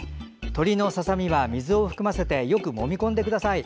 鶏のささ身は水を含ませてよくもみこんでください。